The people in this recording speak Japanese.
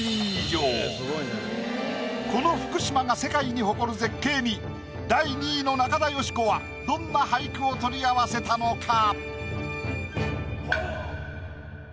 この福島が世界に誇る絶景に第２位の中田喜子はどんな俳句を取り合わせたのか？